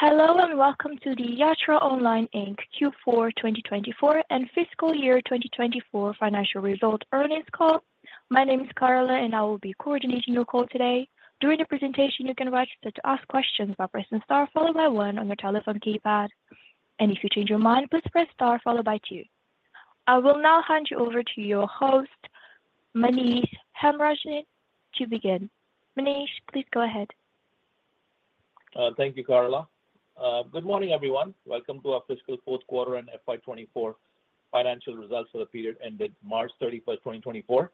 Hello, and welcome to the Yatra Online Inc. Q4 2024 and fiscal year 2024 financial results earnings call. My name is Carla, and I will be coordinating your call today. During the presentation, you can want to ask questions by pressing star followed by one on your telephone keypad, and if you change your mind, please press star followed by two. I will now hand you over to your host, Manish Hemrajani, to begin. Manish, please go ahead. Thank you, Carla. Good morning, everyone. Welcome to our fiscal fourth quarter and FY 2024 financial results for the period ended March 31st, 2024.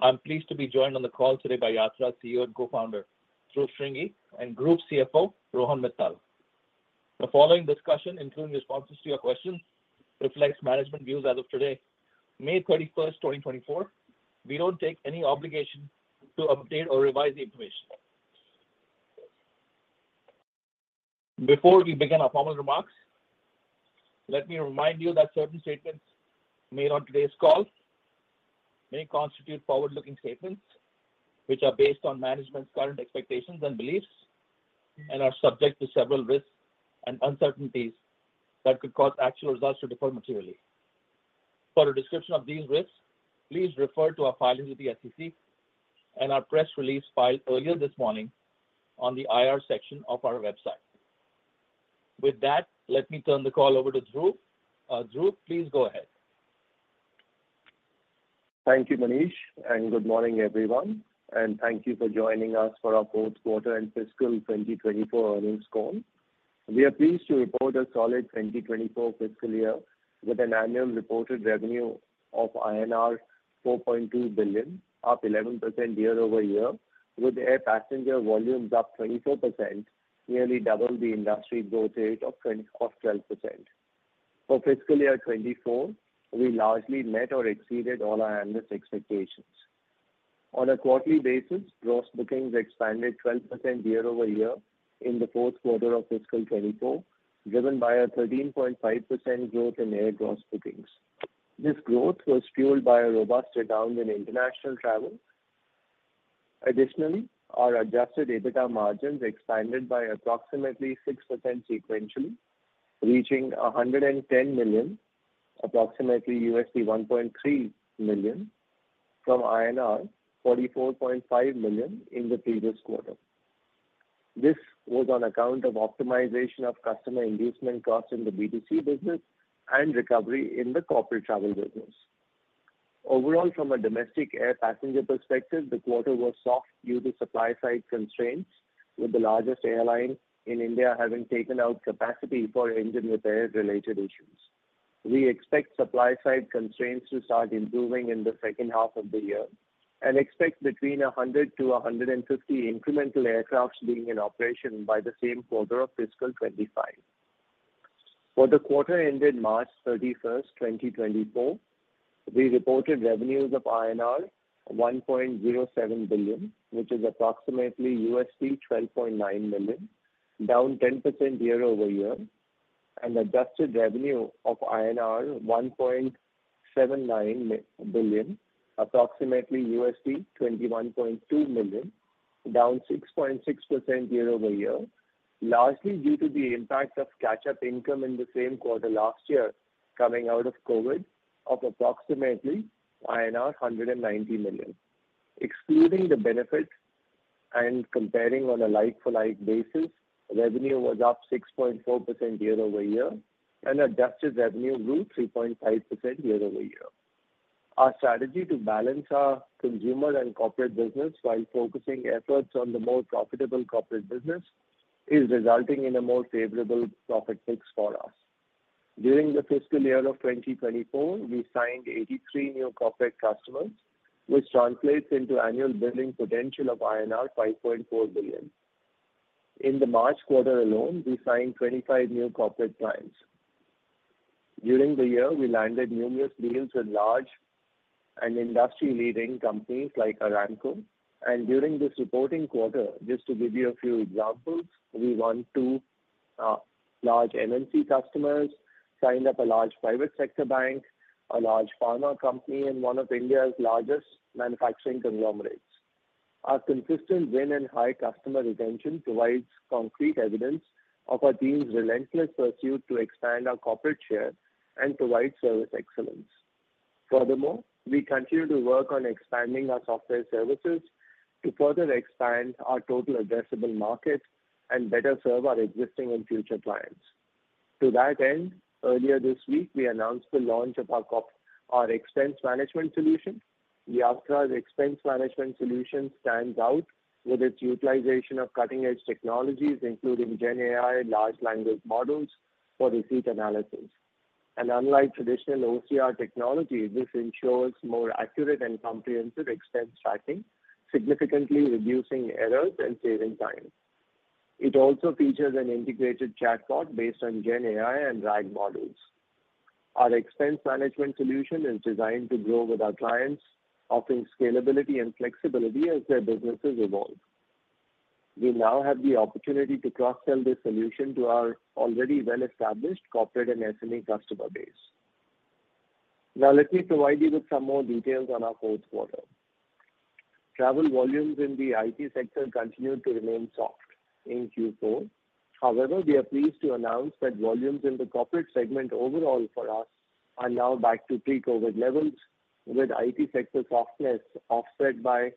I'm pleased to be joined on the call today by Yatra CEO and Co-founder, Dhruv Shringi, and Group CFO, Rohan Mittal. The following discussion, including responses to your questions, reflects management views as of today, May 31st, 2024. We don't take any obligation to update or revise the information. Before we begin our formal remarks, let me remind you that certain statements made on today's call may constitute forward-looking statements, which are based on management's current expectations and beliefs and are subject to several risks and uncertainties that could cause actual results to differ materially. For a description of these risks, please refer to our filings with the SEC and our press release filed earlier this morning on the IR section of our website. With that, let me turn the call over to Dhruv. Dhruv, please go ahead. Thank you, Manish, and good morning, everyone, and thank you for joining us for our fourth quarter and fiscal 2024 earnings call. We are pleased to report a solid 2024 fiscal year with an annual reported revenue of INR 4.2 billion, up 11% year-over-year, with air passenger volumes up 24%, nearly double the industry growth rate of 12%. For fiscal year 2024, we largely met or exceeded all our analyst expectations. On a quarterly basis, gross bookings expanded 12% year-over-year in the fourth quarter of fiscal 2024, driven by a 13.5% growth in air gross bookings. This growth was fueled by a robust rebound in international travel. Additionally, our adjusted EBITDA margins expanded by approximately 6% sequentially, reaching 110 million, approximately $1.3 million, from INR 44.5 million in the previous quarter. This was on account of optimization of customer inducement costs in the B2C business and recovery in the corporate travel business. Overall, from a domestic air passenger perspective, the quarter was soft due to supply side constraints, with the largest airline in India having taken out capacity for engine repair-related issues. We expect supply side constraints to start improving in the second half of the year and expect between 100-150 incremental aircrafts being in operation by the same quarter of fiscal 2025. For the quarter ended March thirty-first, 2024, we reported revenues of INR 1.07 billion, which is approximately $12.9 million, down 10% year-over-year, and adjusted revenue of INR 1.79 billion, approximately $21.2 million, down 6.6% year-over-year, largely due to the impact of catch-up income in the same quarter last year, coming out of COVID of approximately 190 million. Excluding the benefit and comparing on a like-for-like basis, revenue was up 6.4% year-over-year, and adjusted revenue grew 3.5% year-over-year. Our strategy to balance our consumer and corporate business while focusing efforts on the more profitable corporate business is resulting in a more favorable profit mix for us. During the fiscal year of 2024, we signed 83 new corporate customers, which translates into annual billing potential of INR 5.4 billion. In the March quarter alone, we signed 25 new corporate clients. During the year, we landed numerous deals with large and industry-leading companies like Aramco, and during this reporting quarter, just to give you a few examples, we won 2 large MNC customers, signed up a large private sector bank, a large pharma company, and 1 of India's largest manufacturing conglomerates. Our consistent win and high customer retention provides concrete evidence of our team's relentless pursuit to expand our corporate share and provide service excellence. Furthermore, we continue to work on expanding our software services to further expand our total addressable market and better serve our existing and future clients. To that end, earlier this week, we announced the launch of our Expense Management solution. The Yatra Expense Management solution stands out with its utilization of cutting-edge technologies, including GenAI, large language models for receipt analysis. And unlike traditional OCR technology, this ensures more accurate and comprehensive expense tracking, significantly reducing errors and saving time. It also features an integrated chatbot based on GenAI and RAG models. Our Expense Management solution is designed to grow with our clients, offering scalability and flexibility as their businesses evolve. We now have the opportunity to cross-sell this solution to our already well-established corporate and SME customer base. Now let me provide you with some more details on our fourth quarter. Travel volumes in the IT sector continued to remain soft in Q4. However, we are pleased to announce that volumes in the corporate segment overall for us are now back to pre-COVID levels, with IT sector softness offset by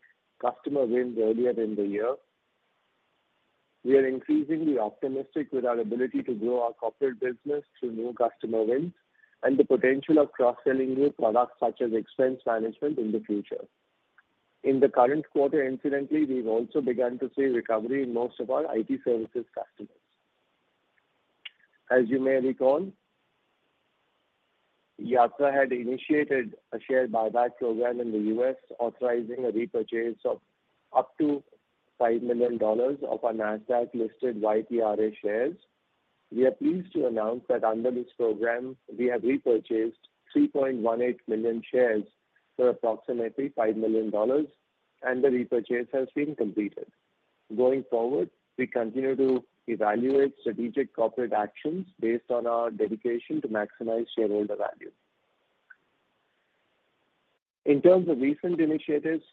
customer wins earlier in the year. We are increasingly optimistic with our ability to grow our corporate business through new customer wins and the potential of cross-selling new products, such as expense management, in the future. In the current quarter, incidentally, we've also begun to see recovery in most of our IT services customers. As you may recall, Yatra had initiated a share buyback program in the U.S., authorizing a repurchase of up to $5 million of our NASDAQ-listed YTRA shares. We are pleased to announce that under this program, we have repurchased 3.18 million shares for approximately $5 million, and the repurchase has been completed. Going forward, we continue to evaluate strategic corporate actions based on our dedication to maximize shareholder value. In terms of recent initiatives,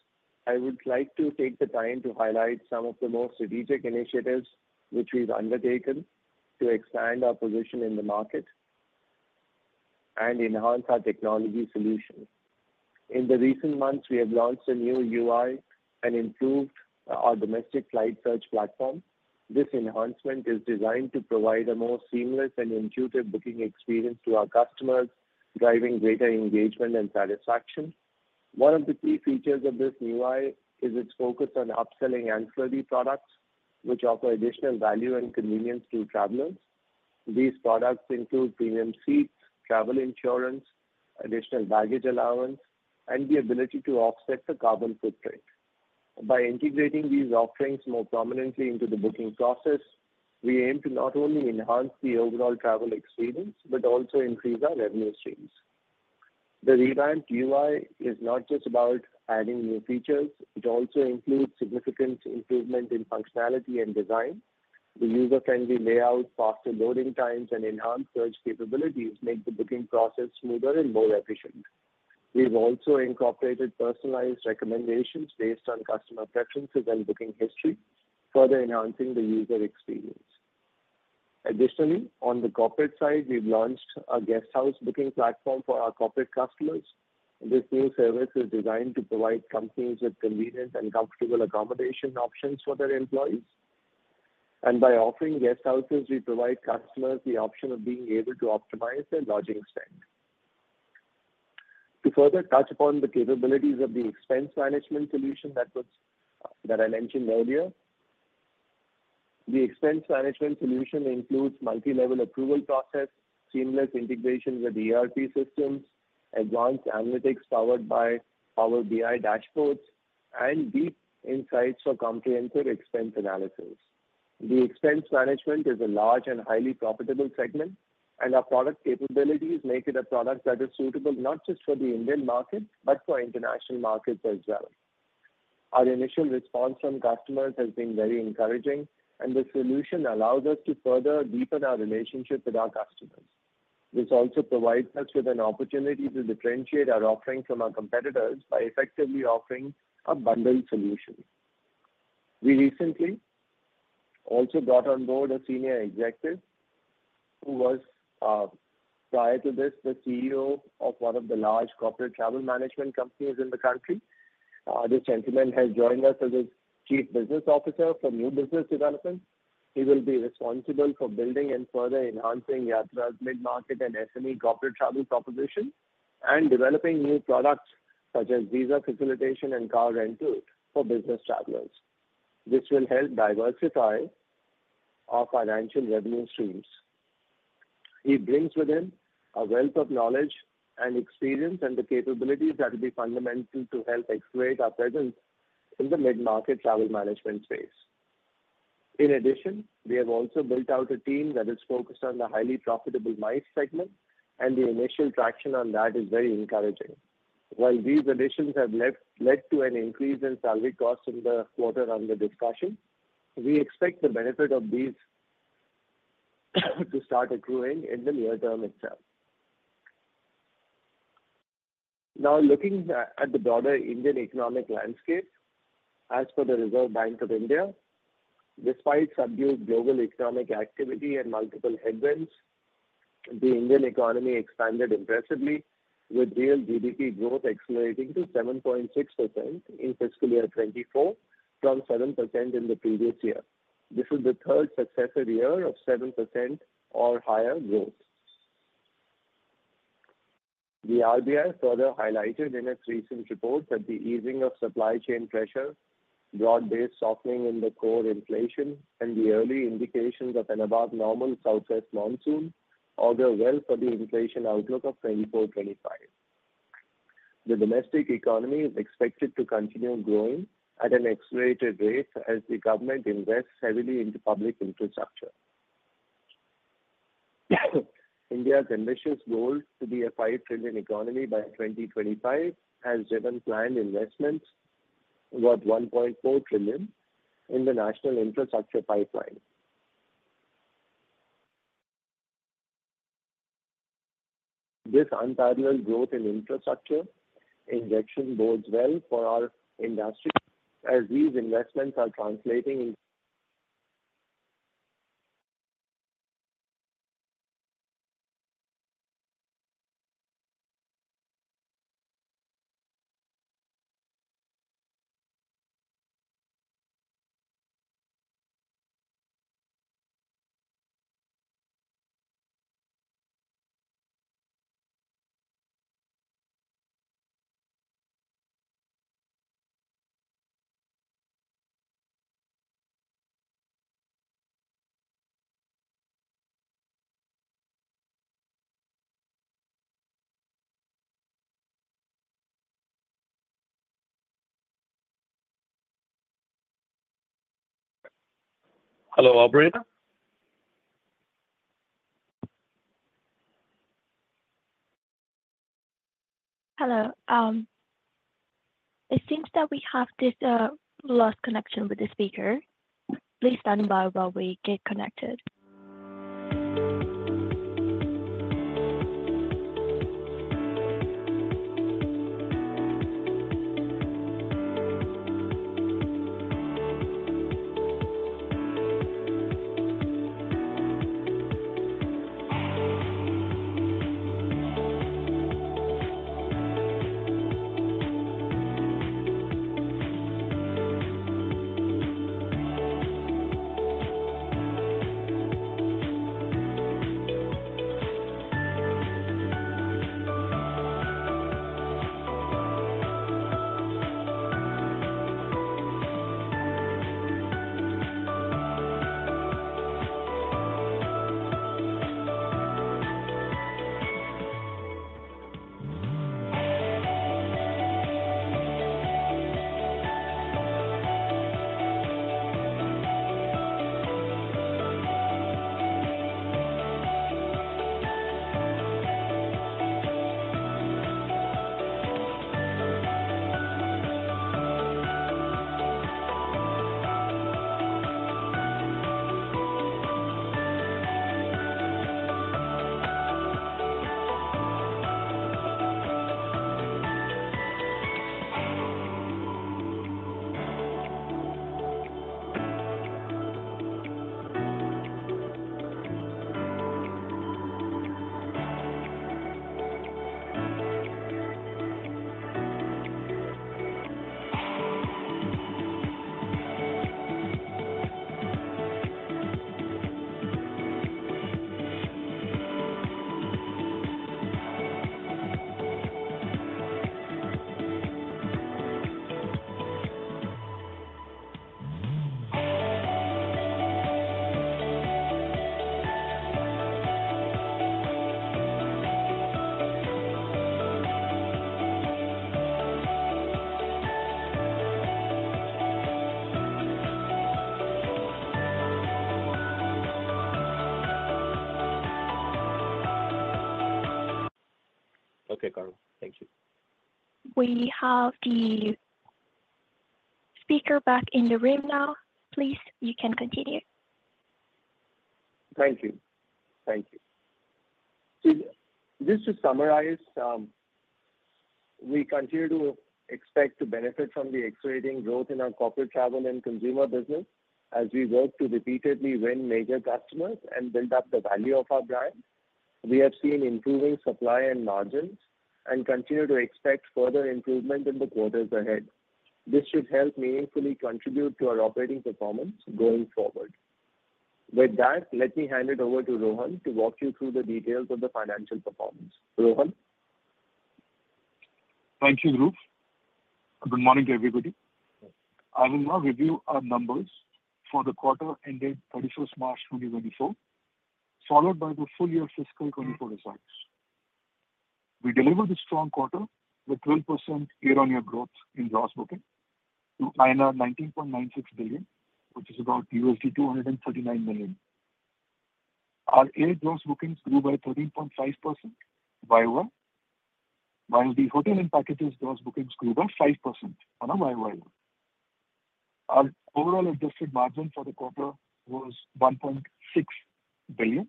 I would like to take the time to highlight some of the more strategic initiatives which we've undertaken to expand our position in the market and enhance our technology solutions. In the recent months, we have launched a new UI and improved our domestic flight search platform. This enhancement is designed to provide a more seamless and intuitive booking experience to our customers, driving greater engagement and satisfaction. One of the key features of this new UI is its focus on upselling ancillary products, which offer additional value and convenience to travelers. These products include premium seats, travel insurance, additional baggage allowance, and the ability to offset the carbon footprint. By integrating these offerings more prominently into the booking process, we aim to not only enhance the overall travel experience, but also increase our revenue streams. The revamped UI is not just about adding new features, it also includes significant improvement in functionality and design. The user-friendly layout, faster loading times, and enhanced search capabilities make the booking process smoother and more efficient. We've also incorporated personalized recommendations based on customer preferences and booking history, further enhancing the user experience. Additionally, on the corporate side, we've launched a guesthouse booking platform for our corporate customers. This new service is designed to provide companies with convenient and comfortable accommodation options for their employees. By offering guesthouses, we provide customers the option of being able to optimize their lodging spend. To further touch upon the capabilities of the expense management solution that I mentioned earlier, the expense management solution includes multi-level approval process, seamless integration with ERP systems, advanced analytics powered by Power BI dashboards, and deep insights for comprehensive expense analysis. The expense management is a large and highly profitable segment, and our product capabilities make it a product that is suitable not just for the Indian market, but for international markets as well. Our initial response from customers has been very encouraging, and the solution allows us to further deepen our relationship with our customers. This also provides us with an opportunity to differentiate our offering from our competitors by effectively offering a bundled solution. We recently also got on board a senior executive who was, prior to this, the CEO of one of the large corporate travel management companies in the country. This gentleman has joined us as a Chief Business Officer for New Business Development. He will be responsible for building and further enhancing Yatra's mid-market and SME corporate travel proposition, and developing new products such as visa facilitation and car rental for business travelers. This will help diversify our financial revenue streams. He brings with him a wealth of knowledge and experience, and the capabilities that will be fundamental to help accelerate our presence in the mid-market travel management space. In addition, we have also built out a team that is focused on the highly profitable MICE segment, and the initial traction on that is very encouraging. While these additions have led to an increase in salary costs in the quarter under discussion, we expect the benefit of these to start accruing in the near term itself. Now, looking at the broader Indian economic landscape, as per the Reserve Bank of India, despite subdued global economic activity and multiple headwinds, the Indian economy expanded impressively, with real GDP growth accelerating to 7.6% in fiscal year 2024, from 7% in the previous year. This is the third successive year of 7% or higher growth. The RBI further highlighted in its recent report that the easing of supply chain pressures, broad-based softening in the core inflation, and the early indications of an above-normal southwest monsoon augur well for the inflation outlook of 2024, 2025. The domestic economy is expected to continue growing at an accelerated rate as the government invests heavily into public infrastructure. India's ambitious goal to be a $5 trillion economy by 2025 has driven planned investments, about $1.4 trillion, in the National Infrastructure Pipeline. This unparalleled growth in infrastructure investment bodes well for our industry as these investments are translating in. Hello, Operator? Hello. It seems that we have lost connection with the speaker. Please stand by while we get connected. Okay, Carla, thank you. We have the speaker back in the room now. Please, you can continue. Thank you. Thank you. So just to summarize, we continue to expect to benefit from the accelerating growth in our corporate travel and consumer business as we work to repeatedly win major customers and build up the value of our brand. We have seen improving supply and margins and continue to expect further improvement in the quarters ahead. This should help meaningfully contribute to our operating performance going forward. With that, let me hand it over to Rohan to walk you through the details of the financial performance. Rohan? Thank you, Dhruv. Good morning, everybody. I will now review our numbers for the quarter ended 31st March 2024, followed by the full year FY 2024 results. We delivered a strong quarter with 12% year-on-year growth in gross booking to 19.96 billion, which is about $239 million. Our air gross bookings grew by 13.5% Y-O-Y, while the hotel and packages gross bookings grew by 5% on a Y-O-Y. Our overall adjusted margin for the quarter was 1.6 billion INR,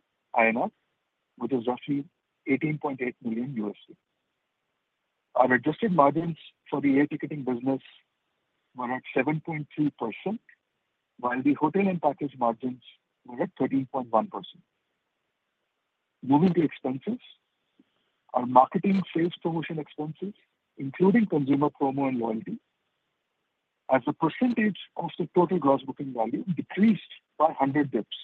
which is roughly $18.8 million. Our adjusted margins for the air ticketing business were at 7.3%, while the hotel and package margins were at 13.1%. Moving to expenses. Our marketing sales promotion expenses, including consumer promo and loyalty, as a percentage of the total gross booking value, decreased by 100 basis points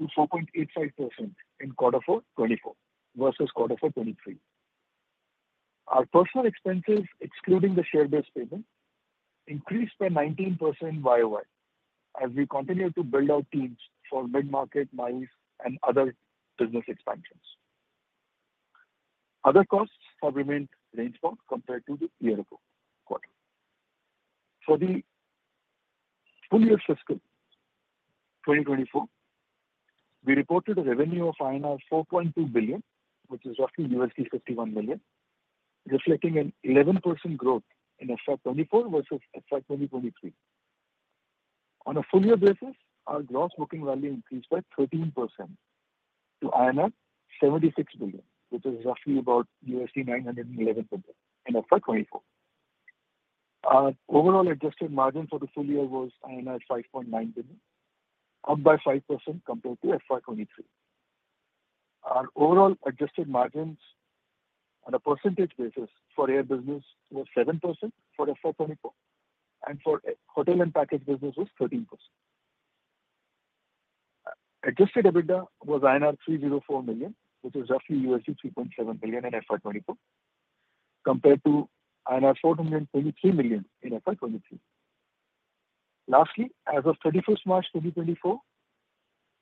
to 4.85% in quarter four 2024 versus quarter four 2023. Our personnel expenses, excluding the share-based payment, increased by 19% year-over-year as we continue to build out teams for mid-market, MICE, and other business expansions. Other costs have remained range-bound compared to the year-ago quarter. For the full year fiscal 2024, we reported a revenue of INR 4.2 billion, which is roughly $51 million. Reflecting an 11% growth in FY 2024 versus FY 2023. On a full year basis, our gross booking value increased by 13% to 76 billion, which is roughly about $911 million in FY 2024. Our overall adjusted margin for the full year was INR 5.9 billion, up by 5% compared to FY 2023. Our overall adjusted margins on a percentage basis for air business was 7% for FY 2024, and for hotel and package business was 13%. Adjusted EBITDA was INR 304 million, which is roughly $3.7 million in FY 2024, compared to INR 423 million in FY 2023. Lastly, as of 31 March 2024,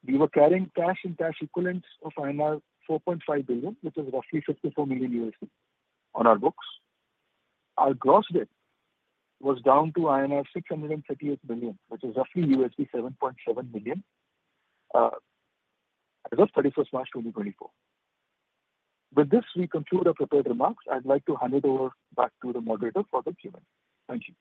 we were carrying cash and cash equivalents of INR 4.5 billion, which is roughly $54 million on our books. Our gross debt was down to INR 638 million, which is roughly $7.7 million, as of 31st March 2024. With this, we conclude our prepared remarks. I'd like to hand it over back to the moderator for the Q&A. Thank you.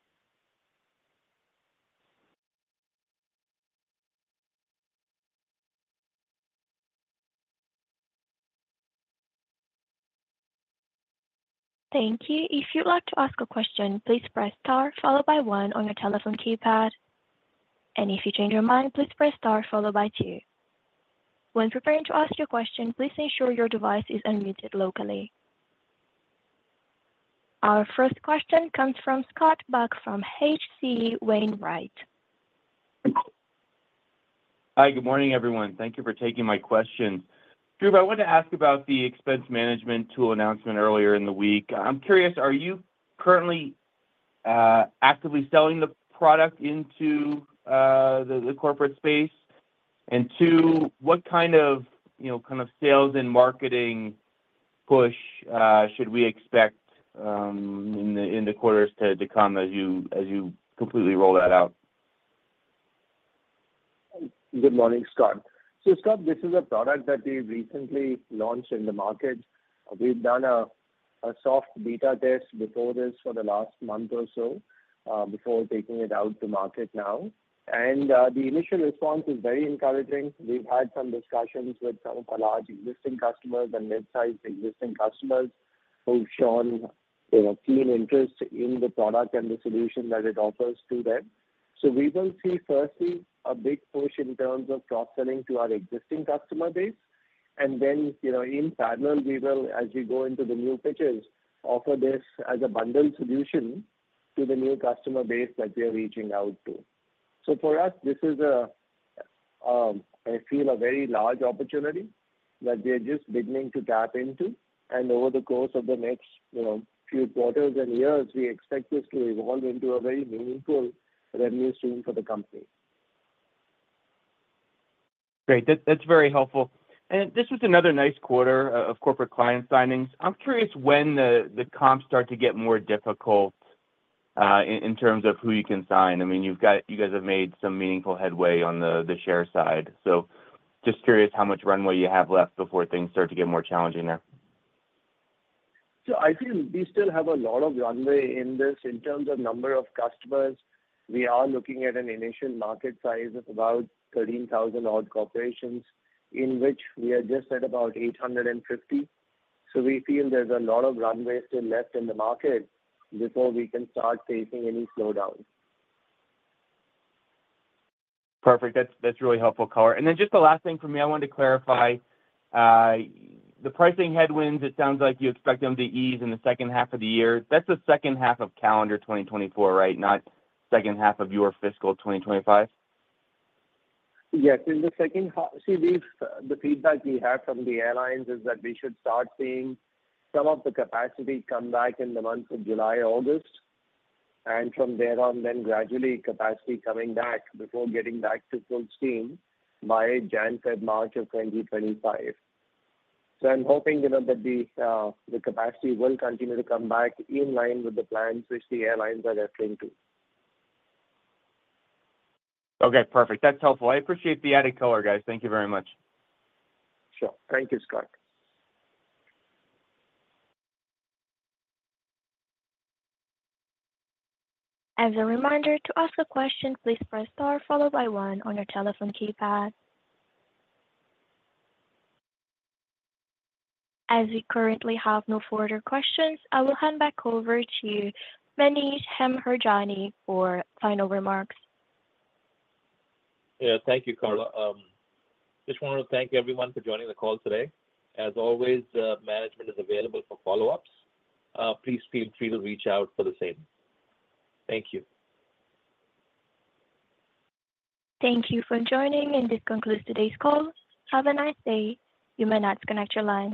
Thank you. If you'd like to ask a question, please press star followed by one on your telephone keypad. If you change your mind, please press star followed by two. When preparing to ask your question, please ensure your device is unmuted locally. Our first question comes from Scott Buck from H.C. Wainwright. Hi, good morning, everyone. Thank you for taking my question. Dhruv, I wanted to ask about the expense management tool announcement earlier in the week. I'm curious, are you currently actively selling the product into the corporate space? And two, what kind of, you know, kind of, sales and marketing push should we expect in the quarters to come as you completely roll that out? Good morning, Scott. So, Scott, this is a product that we recently launched in the market. We've done a soft beta test before this for the last month or so, before taking it out to market now, and the initial response is very encouraging. We've had some discussions with some of our large existing customers and mid-sized existing customers who've shown, you know, keen interest in the product and the solution that it offers to them. So we will see, firstly, a big push in terms of cross-selling to our existing customer base. And then, you know, in parallel, we will, as we go into the new pitches, offer this as a bundle solution to the new customer base that we are reaching out to. For us, this is a, I feel, a very large opportunity that we are just beginning to tap into, and over the course of the next, you know, few quarters and years, we expect this to evolve into a very meaningful revenue stream for the company. Great. That's very helpful. And this was another nice quarter of corporate client signings. I'm curious when the comps start to get more difficult, in terms of who you can sign. I mean, you've got—you guys have made some meaningful headway on the share side. So just curious how much runway you have left before things start to get more challenging there. So I feel we still have a lot of runway in this. In terms of number of customers, we are looking at an initial market size of about 13,000 odd corporations, in which we are just at about 850. So we feel there's a lot of runway still left in the market before we can start facing any slowdown. Perfect. That's, that's really helpful color. And then just the last thing for me, I wanted to clarify, the pricing headwinds, it sounds like you expect them to ease in the second half of the year. That's the second half of calendar 2024, right? Not second half of your fiscal 2025. Yes, in the second half. See, the feedback we have from the airlines is that we should start seeing some of the capacity come back in the months of July, August, and from there on, then gradually capacity coming back before getting back to full steam by January, February, March of 2025. So I'm hoping, you know, that the capacity will continue to come back in line with the plans which the airlines are adhering to. Okay, perfect. That's helpful. I appreciate the added color, guys. Thank you very much. Sure. Thank you, Scott. As a reminder, to ask a question, please press Star, followed by one on your telephone keypad. As we currently have no further questions, I will hand back over to Manish Hemrajani for final remarks. Yeah. Thank you, Carla. Just wanted to thank everyone for joining the call today. As always, management is available for follow-ups. Please feel free to reach out for the same. Thank you. Thank you for joining, and this concludes today's call. Have a nice day. You may now disconnect your lines.